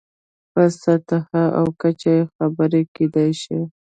په سطحه او کچه یې خبرې کېدای شي.